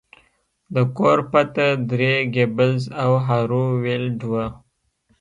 د کور پته درې ګیبلز او هارو ویلډ وه